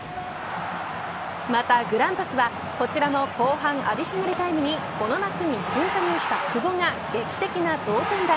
またグランパスはこちらも後半アディショナルタイムにこの夏に新加入した久保が劇的な同点弾。